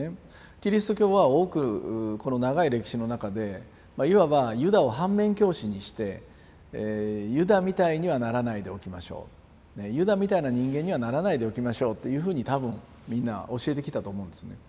キリスト教は多くこの長い歴史の中でいわばユダを反面教師にしてユダみたいにはならないでおきましょうユダみたいな人間にはならないでおきましょうっていうふうに多分みんな教えてきたと思うんですね。